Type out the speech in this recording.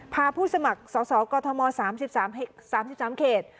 พาผู้สมัครสกธ๓๓เขต